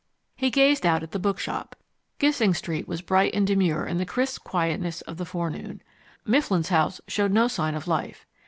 He gazed out at the bookshop. Gissing Street was bright and demure in the crisp quietness of the forenoon. Mifflin's house showed no sign of life.